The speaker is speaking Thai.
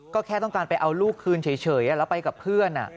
ก็แค่ต้องการไปเอาลูกคืนเฉยแล้วไปกับเพื่อน